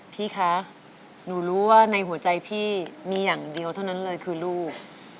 พี่คะหนูรู้ว่าในหัวใจพี่มีอย่างเดียวเท่านั้นเลยคือลูก